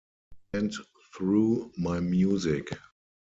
And through my music.